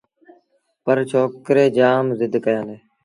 پرڇوڪري جآم زد ڪيآݩدي